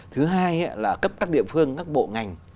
thứ hai là cấp các địa phương các bộ ngành